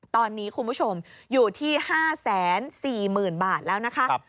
ตอนนี้คุณผู้ชมอยู่ที่๕๔๐๐๐บาทแล้วนะคะ